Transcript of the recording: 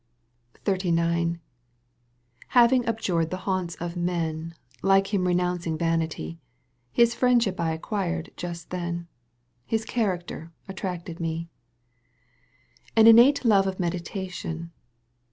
XXXIX Having abjured the haunts of men, like him renouncing vanity, '/, ffis friendship I acquired just then ;. ffis character attracted me. I An innate love of meditation.